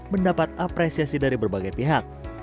mendapat apresiasi dari berbagai pihak